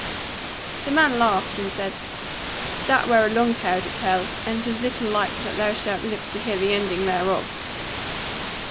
The man laughed, and said: "That were a long tale to tell; and it is little like that thou shalt live to hear the ending thereof."